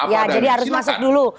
ya jadi harus masuk dulu